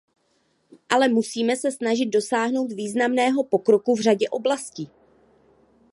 Ale musíme se snažit dosáhnout významného pokroku v řadě oblastí.